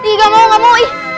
ih gak mau gak mau